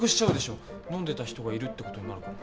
飲んでた人がいるって事になるから。